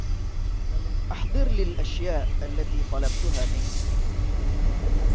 أحضرلي الأشياء التي طلبتها منك.